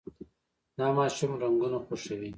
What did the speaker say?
دا ماشوم رنګونه خوښوي.